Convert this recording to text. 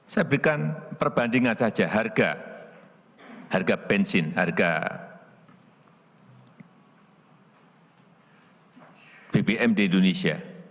saya berikan perbandingan saja harga harga bensin harga bbm di indonesia